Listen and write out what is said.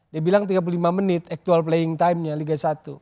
dia bilang tiga puluh lima menit actual playing time nya liga satu